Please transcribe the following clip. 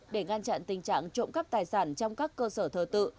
để ngăn chặn tình trạng trộm cắp tài sản trong các cơ sở thờ tự